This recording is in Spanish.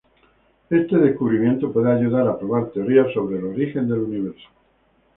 Este descubrimiento puede ayudar a probar teorías sobre el origen del universo.